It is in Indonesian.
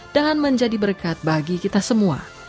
dan menjadi berkat bagi kita semua